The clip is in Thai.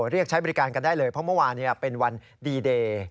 เรียกใช้บริการกันได้เลยเพราะเมื่อวานเป็นวันดีเดย์